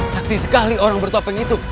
saksi sekali orang bertopeng itu